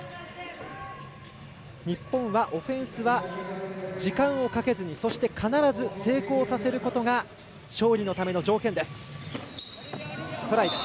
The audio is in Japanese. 日本はオフェンスは時間をかけずにそして、必ず成功させることが勝利のための条件です。